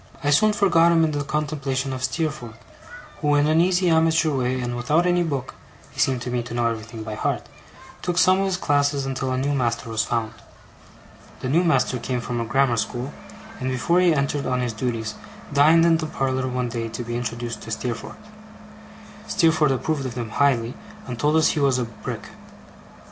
I soon forgot him in the contemplation of Steerforth, who, in an easy amateur way, and without any book (he seemed to me to know everything by heart), took some of his classes until a new master was found. The new master came from a grammar school; and before he entered on his duties, dined in the parlour one day, to be introduced to Steerforth. Steerforth approved of him highly, and told us he was a Brick.